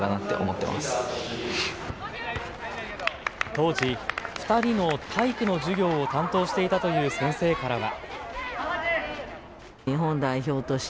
当時、２人の体育の授業を担当していたという先生からは。